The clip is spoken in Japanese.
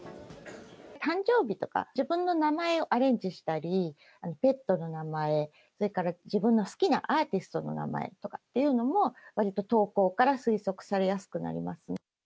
誕生日とか自分の名前をアレンジしたりペットの名前、それから自分の好きなアーティストの名前とかも割と投稿から推測されやすくなります。